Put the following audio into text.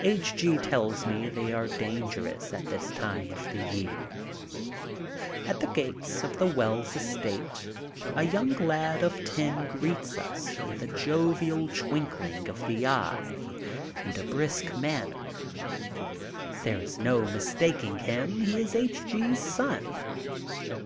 H. G. tells me they are dangerous at this time of the year. At the gate of the Wells estate a young lad of ten greets us with a jovial twinkling of the eye and a brisk manner. There is no mistaking him. He is H. G.'s son.